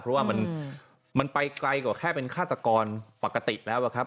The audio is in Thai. เพราะว่ามันไปไกลกว่าแค่เป็นฆาตกรปกติแล้วอะครับ